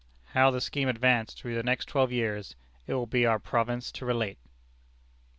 How the scheme advanced through the next twelve years, it will be our province to relate.